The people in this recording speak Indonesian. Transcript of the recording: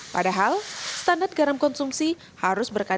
padahal standar garam konsumsi harus berkaitan